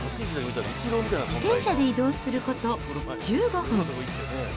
自転車で移動すること１５分。